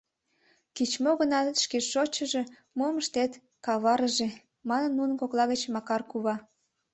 — Кеч-мо гынат, шке шочшыжо, мом ыштет, каварыже, — манын нунын кокла гыч Макар кува.